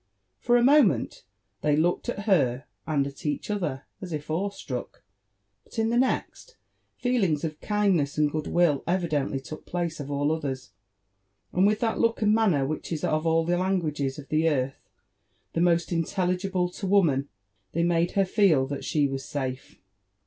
For a moment, they looked at her and at each other as if awe struck ; but in the next, feelings of kindness and good will evidently took place of all OtherS) and with that look and manner whidi is of all the languages of the earth the most intelligible to woman, they made her feel that she was safe.